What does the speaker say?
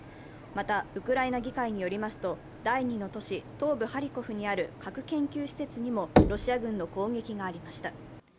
また、ウクライナ議会によりますと第２の都市、東部ハリコフにある核研究施設にもロシア軍の攻撃がありました。